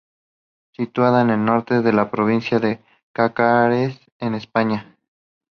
Situada en el norte de la provincia de Cáceres, en España.